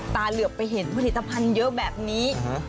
เหลือไปเห็นผลิตภัณฑ์เยอะแบบนี้